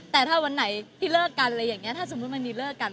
แต่ถ้าวันไหนที่เลิกกันอะไรอย่างนี้ถ้าสมมุติมันมีเลิกกัน